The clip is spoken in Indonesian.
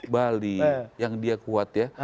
bali yang dia kuat ya